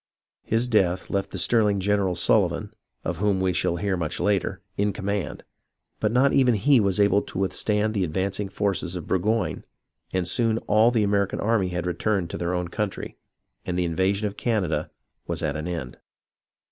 His death left the sterling General Sullivan, of whom we EVACUATION OF BOSTON 83 shall hear much later, in command ; but not even he was able to withstand the advancing forces of Burgoyne, and soon all the American army had returned to their own country, and the invasion of Canada was at an end.